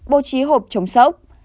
bố trí hộp chống sốc